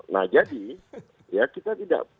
nah jadi ya kita tidak